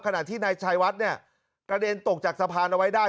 ขณะที่นายชายวัดเนี่ยกระเด็นตกจากสะพานเอาไว้ได้